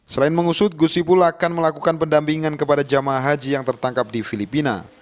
selain mengusut gusipul akan melakukan pendampingan kepada jemaah haji yang tertangkap di filipina